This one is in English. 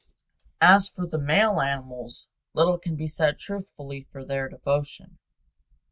As for the male animals, little can be said truthfully for their devotion.